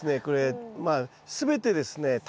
これまあ全てですね